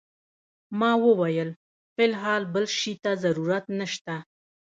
ما وویل فی الحال بل شي ته ضرورت نه شته.